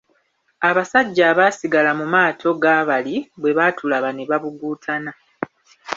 Abasajja abaasigala mu maato ga bali bwe baatulaba ne babuguutana.